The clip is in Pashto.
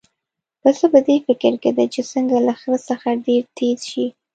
پسه په دې فکر کې دی چې څنګه له خره څخه ډېر تېز شي.